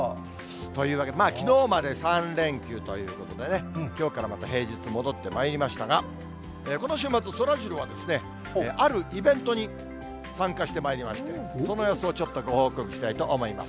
というわけで、きのうまで３連休ということでね、きょうからまた平日戻ってまいりましたが、この週末、そらジローはですね、あるイベントに参加してまいりまして、その様子をちょっとご報告したいと思います。